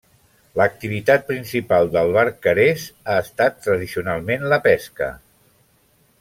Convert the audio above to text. L'activitat principal del Barcarès ha estat tradicionalment la pesca.